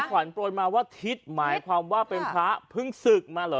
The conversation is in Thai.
ขวัญโปรยมาว่าทิศหมายความว่าเป็นพระเพิ่งศึกมาเหรอ